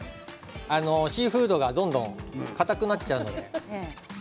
シーフードが、どんどんかたくなってしまいますので。